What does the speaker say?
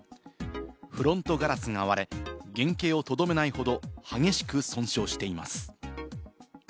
フロントガラスが割れ、原形を留めないほど激しく損傷しています。